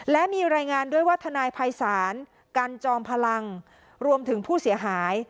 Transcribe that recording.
และมีรายงานด้วยว่าทนายภัยศาลกันจอมพลังรวมถึงผู้เสียหาย